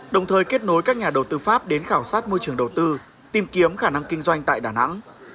đồng thời kết nối các nhà đầu tư pháp đến khảo sát môi trường đầu tư tìm kiếm khả năng kinh doanh tại đà nẵng